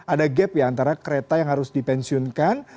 ada gap ya antara kereta yang harus dipensiunkan